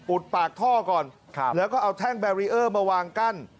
ปากท่อก่อนแล้วก็เอาแท่งแบรีเออร์มาวางกั้น